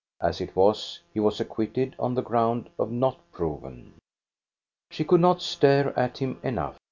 As it was, he was acquitted on the ground of not proven. She could not stare at him enough.